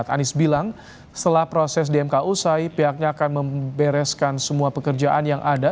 anies bilang setelah proses dmk usai pihaknya akan membereskan semua pekerjaan yang ada